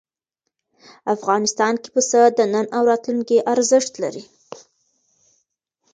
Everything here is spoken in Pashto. افغانستان کې پسه د نن او راتلونکي ارزښت لري.